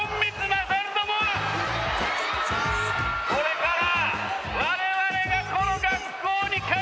これから。